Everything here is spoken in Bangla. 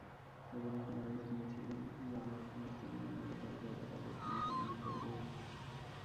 সাইদুর রহমান আরও জানিয়েছিলেন, জামায়াতুল মুসলেমিন মূলত আল-কায়েদার আদর্শ অনুসরণে বেশি আগ্রহী।